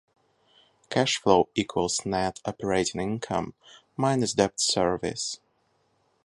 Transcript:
Cash flow equals net operating income minus debt service.